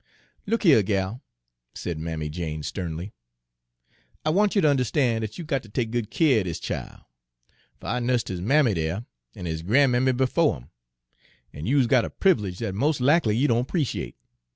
"Look a here, gal," said Mammy Jane sternly, "I wants you ter understan' dat you got ter take good keer er dis chile; fer I nussed his mammy dere, an' his gran'mammy befo' 'im, an' you is got a priv'lege dat mos' lackly you don' 'preciate.